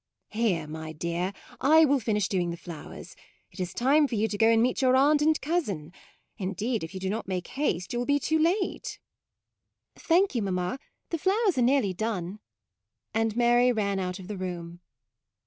" Here, my dear, I will finish doing the flowers. It is time for you to go and meet your aunt and cousin; in deed, if you do not make haste, you will be too late." MAUDE u Thank you, mamma; the flow ers are nearly done"; and Mary ran out of the room.